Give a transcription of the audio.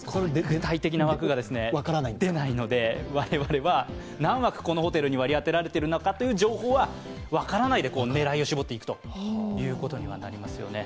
具体的な枠が出ないので我々は、何枠このホテルに割り当てられているかという情報は分からないで、狙いを絞っていくことになりますね。